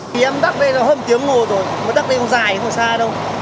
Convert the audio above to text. thì em đắc đây nó hơn một tiếng ngồi rồi mà đắc đây nó dài thì không sao đâu